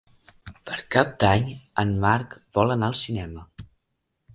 Per Cap d'Any en Marc vol anar al cinema.